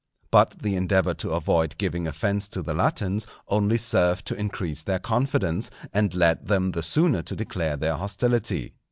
But the endeavour to avoid giving offence to the Latins only served to increase their confidence, and led them the sooner to declare their hostility.